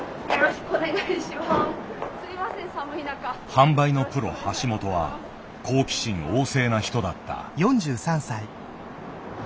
販売のプロ橋本は好奇心旺盛な人だった。